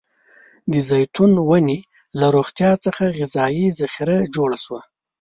د زیتون ونې له روغتيا څخه غذايي ذخیره جوړه شوه.